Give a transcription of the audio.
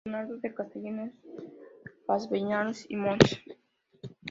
Leonardo Castellanos Castellanos y Mons.